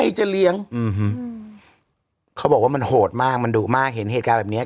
จะเลี้ยงอืมเขาบอกว่ามันโหดมากมันดุมากเห็นเหตุการณ์แบบเนี้ย